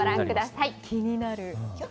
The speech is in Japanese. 気になる。